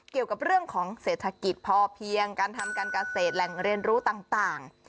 เกี่ยวกับเรื่องของเศรษฐกิจพอเพียงการทำการเกษตรแหล่งเรียนรู้ต่าง